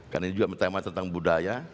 karena ini juga menitamai tentang budaya